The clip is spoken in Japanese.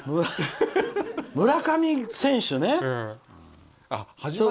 村上選手ね。